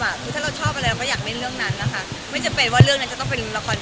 ไม่จำเป็นว่าเรื่องนั้นก็ต้องเป็นละคร